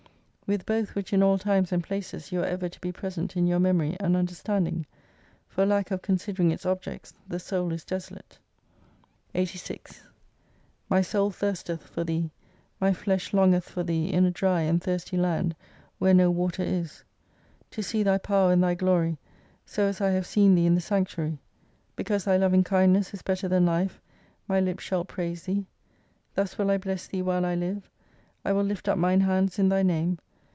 \)0^ith both which in all times and places you are ever to be present in your memory and under standing. For lack of considering its objects the soul is desolate. 86 My soul thirstethfor Thee, my flesh longeth for Thee in a dry and thirsty land where no water is. To see Thy power and Thy glory so as I have seen Thee in the Sanctuary. Because Thy loving kindness is better than life, my lips shah praise Thee. Thus will I bless Thee while I live, I will lift up mine hands in Thy name.